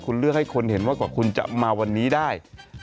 คุณเลือกให้คนเห็นว่ากว่าคุณจะมาวันนี้ได้